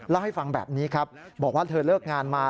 เล่าให้ฟังแบบนี้ครับบอกว่าเธอเลิกงานมา